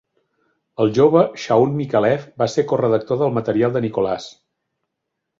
El jove Shaun Micallef va ser corredactor del material de Nicholas.